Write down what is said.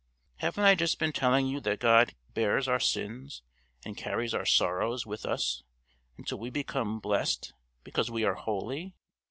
Haven't I just been telling you that God bears our sins and carries our sorrows with us until we become blessed because we are holy?